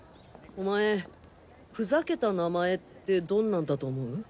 お前「ふざけた名前」ってどんなんだと思う？